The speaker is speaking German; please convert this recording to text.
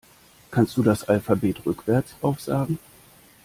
Kannst du das Alphabet rückwärts aufsagen?